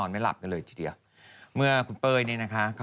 วันที่สุดท้าย